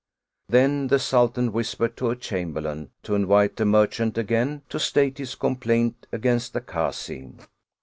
Then the Sultan whispered to a Chamberlain to invite the merchant again to state his complaint against the Kazi.